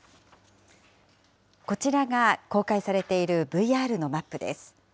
こちらが公開されているＶＲのマップです。